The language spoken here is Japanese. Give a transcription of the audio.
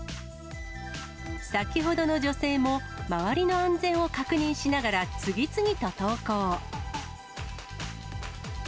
先ほどの女性も、周りの安全を確認しながら、次々と投稿。